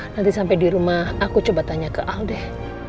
nanti sampai di rumah aku coba tanya ke aldeh